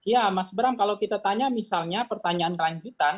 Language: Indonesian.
ya mas bram kalau kita tanya misalnya pertanyaan kelanjutan